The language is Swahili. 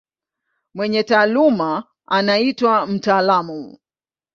Mwenye taaluma anaitwa mtaalamu.